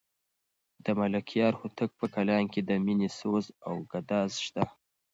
د ملکیار هوتک په کلام کې د مینې سوز او ګداز شته.